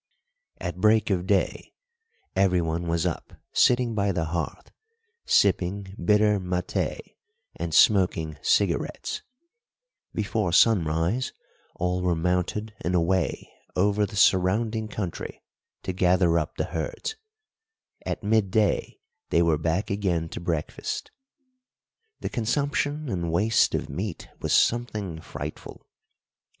At break of day everyone was up sitting by the hearth sipping bitter maté and smoking cigarettes; before sunrise all were mounted and away over the surrounding country to gather up the herds; at midday they were back again to breakfast. The consumption and waste of meat was something frightful.